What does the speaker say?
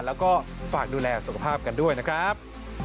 แล้วก็ฝากดูแลสุขภาพกันด้วยนะครับ